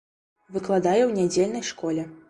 Выкладае ў нядзельнай школе.